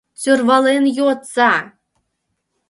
— Сӧрвален йодса!